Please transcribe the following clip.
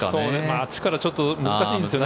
あっちからちょっと難しいんですよね。